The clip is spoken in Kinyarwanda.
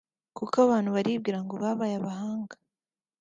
Kuko abantu baribwira ngo babaye abahanga